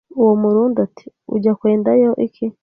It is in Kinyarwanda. Uwo murundi, ati“Ujya kwendayo iki